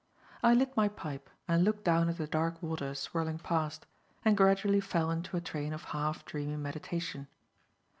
I lit my pipe and looked down at the dark water swirling past, and gradually fell into a train of half dreamy meditation.